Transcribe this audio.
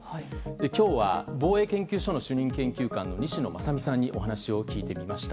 今日は、防衛研究所の西野正巳さんにお話を聞いてきました。